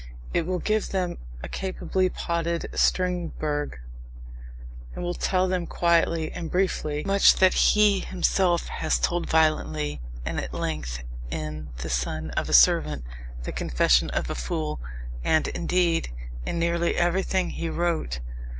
It will give them a capably potted Strindberg, and will tell them quietly and briefly much that he himself has told violently and at length in The Son of a Servant, The Confession of a Fool, and, indeed, in nearly everything he wrote.